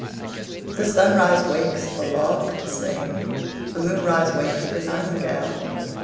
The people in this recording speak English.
The sunrise wakes the lark to sing, The moonrise wakes the nightingale.